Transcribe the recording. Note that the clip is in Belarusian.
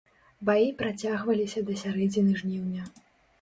Баі працягваліся да сярэдзіны жніўня.